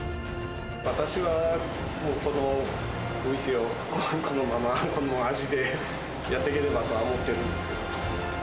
私は、もうこの店を、このままこの味でやっていければと思ってるんですけど。